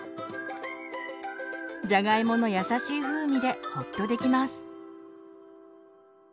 じゃがいもの優しい風味でほっとできます。